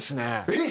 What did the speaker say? えっ！